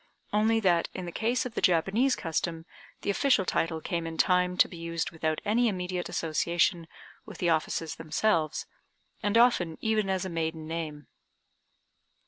only that in the case of the Japanese custom the official title came in time to be used without any immediate association with the offices themselves, and often even as a maiden name.